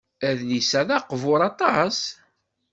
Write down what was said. Adlis-a d aqbur aṭas.